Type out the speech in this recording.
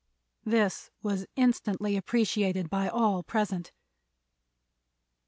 This was instantly appreciated by all present.